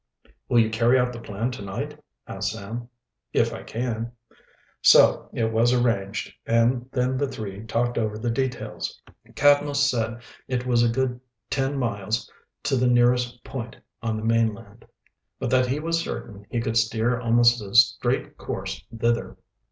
"Will you carry out the plan to night?" asked Sam. "If I can." So it was arranged, and then the three talked over the details. Cadmus said it was a good tern miles to the nearest point of the mainland, but that he was certain he could steer almost a straight course thither.